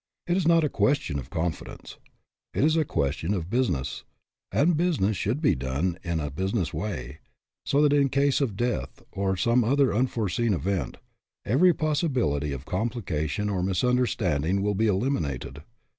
It is not a ques tion of confidence. It is a question of busi ness, and business should be done in a business way, so that in case of death, or some other unforeseen event, every possibility of complication or misunderstanding will be eliminated.